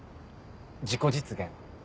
自己実現？